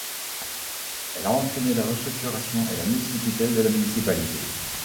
Elle a entraîné la restructuration et la mise sous tutelle de la municipalité.